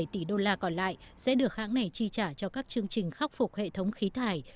bốn bảy tỷ usd còn lại sẽ được hãng này chi trả cho các chương trình khắc phục hệ thống khí thải